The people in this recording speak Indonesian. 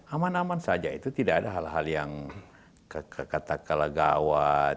aman aman saja itu tidak ada hal hal yang katakanlah gawat